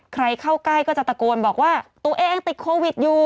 ใครเข้าใกล้ก็จะตะโกนบอกว่าตัวเองติดโควิดอยู่